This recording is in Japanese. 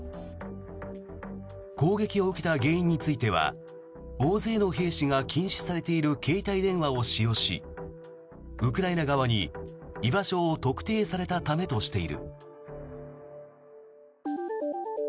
攻撃を受けた原因については大勢の兵士が禁止されている携帯電話を使用しウクライナ側に居場所を特定されたためとしている。